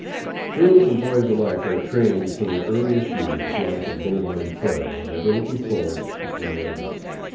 Girls and boys alike are trained from their earliest years to this life of bovine toil, never looking forward to any other.